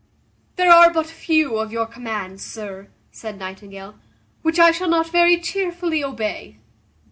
"There are but few of your commands, sir," said Nightingale, "which I shall not very chearfully obey."